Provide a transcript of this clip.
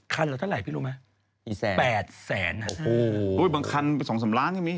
คันเราเท่าไหร่พี่รู้มั้ย๘แสนโอ้โหบางคัน๒๓ล้านยังมี